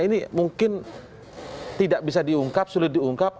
ini mungkin tidak bisa diungkap sulit diungkap